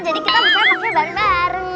jadi kita bisa pakai bareng bareng